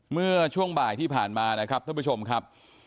เมื่อช่วงบ่ายที่ผ่านมานะครับท่านผู้ชมครับ